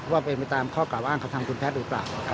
ว่าเป็นไปตามข้อกล่าอ้างของทางคุณแพทย์หรือเปล่า